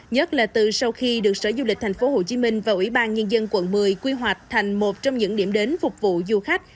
nhất là từ sau khi được sở du lịch tp hcm và ủy ban nhân dân quận một mươi quy hoạch thành một trong những điểm đến phục vụ du khách